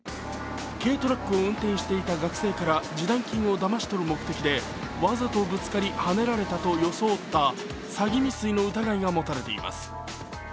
軽トラックを運転していた学生から示談金をだまし取る目的でわざとぶつかりはねられたと装った詐欺未遂の疑いが持たれています。